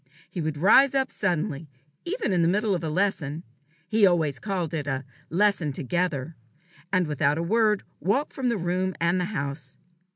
He would rise up suddenly, even in the middle of a lesson he always called it "a lesson together" and without a word walk from the room and the house.